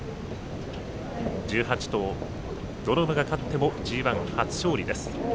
１８頭、どの馬が勝ってもＧＩ初勝利です。